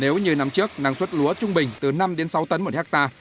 nếu như năm trước năng suất lúa trung bình từ năm đến sáu tấn một hectare